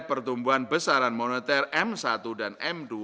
pertumbuhan besaran moneter m satu dan m dua